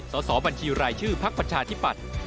สอบบัญชีรายชื่อพักประชาธิปัตย์